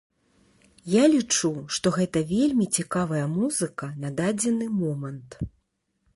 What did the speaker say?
Я лічу, што гэта вельмі цікавая музыка на дадзены момант.